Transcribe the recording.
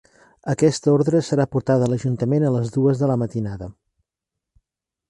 Aquesta ordre serà portada a l'Ajuntament a les dues de la matinada.